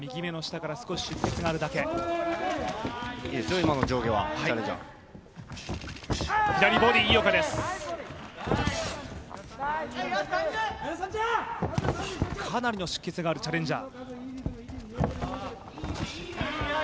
かなりの出血があるチャレンジャー。